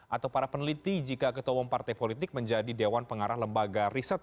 atau para peneliti jika ketua umum partai politik menjadi dewan pengarah lembaga riset